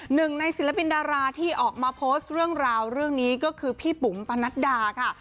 หนึ่งในศิลปินดาราที่ออกมาโพสต์เรื่องราวเรื่องนี้ก็คือพี่ปุ๋มปะนัดดาค่ะ